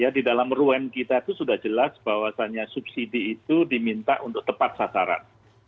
di dalam ruam kita itu sudah jelas bahwasannya subsidi itu diminta untuk tepat sasaran